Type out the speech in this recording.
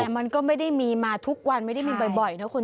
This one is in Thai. แต่มันก็ไม่ได้มีมาทุกวันไม่ได้มีบ่อยนะคุณ